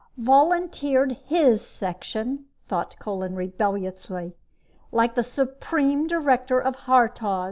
Volunteered HIS section! thought Kolin rebelliously. _Like the Supreme Director of Haurtoz!